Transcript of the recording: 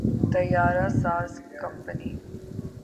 طیارہ ساز کمپنی